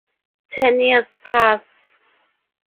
Ten years pass.